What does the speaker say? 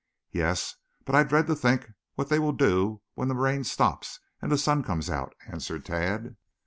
"Yes, but I dread to think what they will do when the rain stops and the sun comes out," answered Tad.